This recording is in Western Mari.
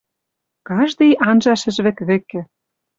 Каждый анжа шӹжвӹк вӹкӹ